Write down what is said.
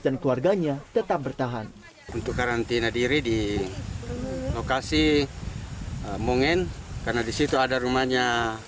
dan keluarganya tetap bertahan untuk karantina diri di lokasi mungen karena disitu ada rumahnya